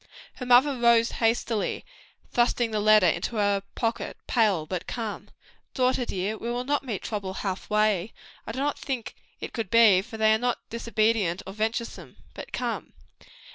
Her mother rose hastily, thrusting the letter into her pocket, pale but calm. "Daughter dear, we will not meet trouble half way. I do not think it could be they; for they are not disobedient or venturesome. But come."